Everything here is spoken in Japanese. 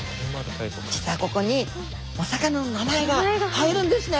実はここにお魚の名前が入るんですね。